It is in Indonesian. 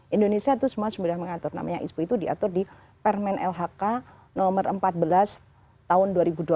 indonesia itu semua sudah mengatur namanya ispu itu diatur di permen lhk nomor empat belas tahun dua ribu dua puluh